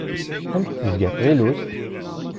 Anda d-tezga tɣilust?